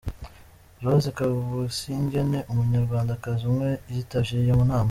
Rose Kabusingye ni umunyarwandakazi umwe yitavye iyo nama.